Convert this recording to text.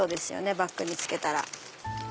バッグにつけたら。